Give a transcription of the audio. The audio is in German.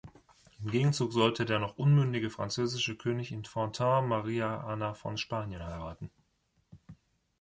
Im Gegenzug sollte der noch unmündige französische König Infantin Maria Anna von Spanien heiraten.